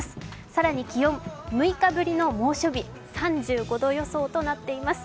更に気温、６日ぶりの猛暑日、３５度予想となっています。